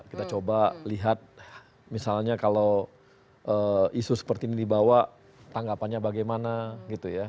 kita coba lihat misalnya kalau isu seperti ini dibawa tanggapannya bagaimana gitu ya